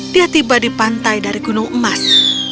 dia tiba di pantai dari gunung emas